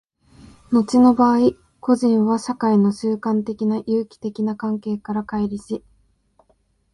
後の場合、個人は社会の習慣的な有機的な関係から乖離し、